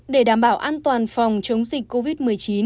để đảm bảo an toàn phòng chống dịch covid một mươi chín